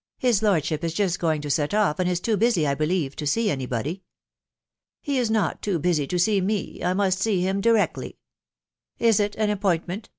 ..." His lordship is just goi to set off, and is too busy, I believe, to see anybody." " He is not too busy to see me — I must see him < rectly !" u Is it an appointment